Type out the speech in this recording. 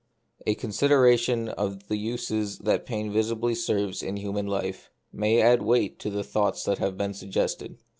A CONSIDERATION of the uses that pain visibly serves in human life may add weight to the thoughts that have been suggested.